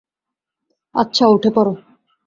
আচ্ছা, উঠে পড়ো।